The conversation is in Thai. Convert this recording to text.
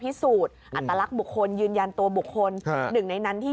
พิสูจน์อัตลักษณ์บุคคลยืนยันตัวบุคคลหนึ่งในนั้นที่